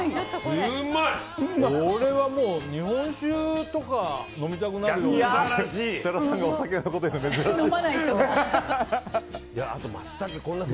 これは日本酒とか飲みたくなるような。